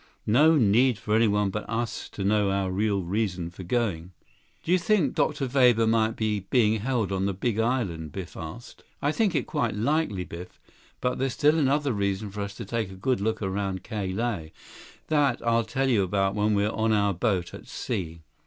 No need for anyone but us to know our real reason for going." "Do you think Dr. Weber might be being held on the Big Island?" Biff asked. "I think it quite likely, Biff. But there's still another reason for us to take a good look around Ka Lae. That I'll tell you about when we're on our boat at sea.